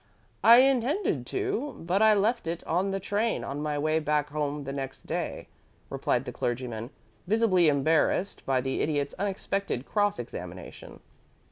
"I intended to, but I left it on the train on my way back home the next day," replied the clergyman, visibly embarrassed by the Idiot's unexpected cross examination.